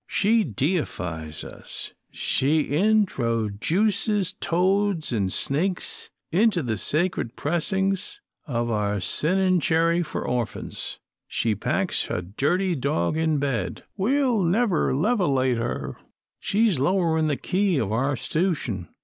She deifies us, she introjuces toads an' snakes into the sacred presings of our sinningcherry for orphans. She packs a dirty dog in bed. We'll never levelate her. She's lowering the key of our 'stution.